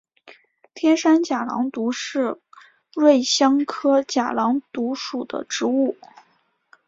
天山假狼毒是瑞香科假狼毒属的植物。